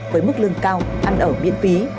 với mức lương cao ăn ở miễn phí